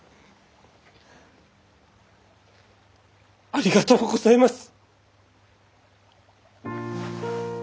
ありがとうございます。